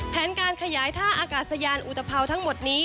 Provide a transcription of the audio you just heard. แผนการขยายท่าอากาศยานอุตภาวทั้งหมดนี้